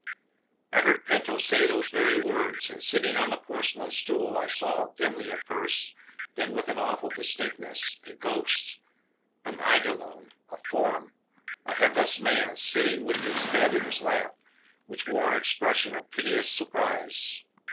I heard Pinto say those very words, and sitting on the porcelain stool I saw, dimly at first, then with an awful distinctness a ghost an EIDOLON a form A HEADLESS MAN seated with his head in his lap, which wore an expression of piteous surprise.